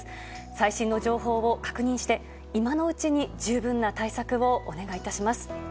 最新の情報を確認して今のうちに十分な対策をお願いします。